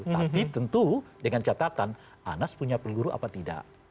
tapi tentu dengan catatan anas punya peluru apa tidak